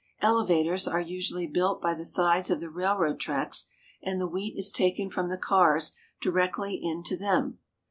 Elevators are usually built by the sides of the railroad tracks, and the wheat is taken from the cars directly into them.